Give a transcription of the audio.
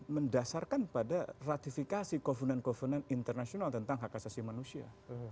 mendasarkan pada ratifikasi komponen komponen internasional tentang hak asasi manusia